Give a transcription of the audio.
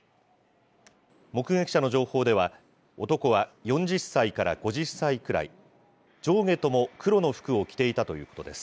目撃者の情報では、男は４０歳から５０歳くらい、上下とも黒の服を着ていたということです。